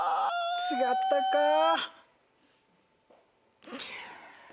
違ったか。